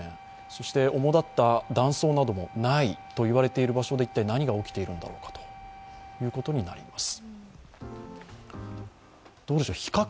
そして主立った断層もないと言われている場所で一体何が起きているんだろうということになります。